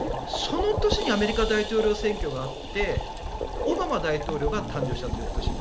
その年にアメリカ大統領選挙があって翌年オバマ大統領が誕生したと。